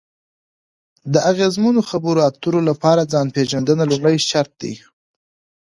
د اغیزمنو خبرو اترو لپاره ځان پېژندنه لومړی شرط دی.